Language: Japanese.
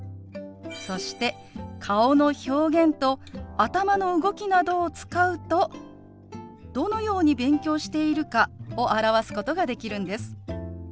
そして顔の表現と頭の動きなどを使うとどのように勉強しているかを表すことができるんです。